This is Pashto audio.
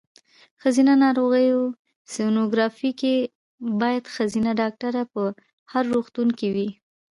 ښځېنه ناروغیو سینوګرافي کې باید ښځېنه ډاکټره په هر روغتون کې وي.